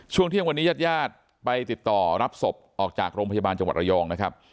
ช่วงเที่ยงวันนี้ญาติญาติไปติดต่อรับศพออกจากโรงพยาบาลจังหวัดระยองนะครับ